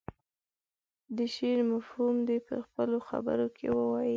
د شعر مفهوم دې په خپلو خبرو کې ووايي.